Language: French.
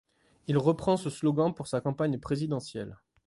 Il reprend ce slogan pour sa campagne présidentielle.